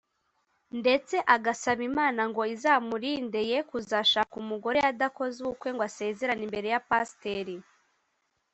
ndetse agasaba Imana ngo izamurinde ye kuzashaka umugore adakoze ubukwe ngo asezerane imbere ya pasiteri